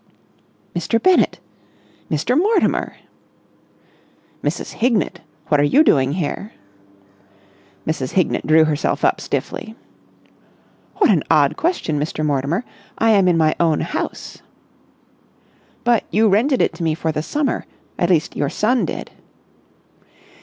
"Mr. Bennett! Mr. Mortimer!" "Mrs. Hignett! What are you doing here?" Mrs. Hignett drew herself up stiffly. "What an odd question, Mr. Mortimer! I am in my own house!" "But you rented it to me for the summer. At least, your son did."